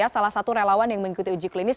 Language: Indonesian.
salah satu relawan yang mengikuti uji klinis